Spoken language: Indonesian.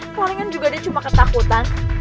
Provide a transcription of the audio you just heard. kelaringan juga dia cuma ketakutan